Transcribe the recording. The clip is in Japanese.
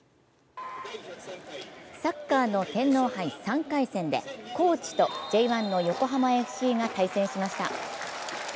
サッカーの天皇杯３回戦で高知とＪ１の横浜ＦＣが対戦しました。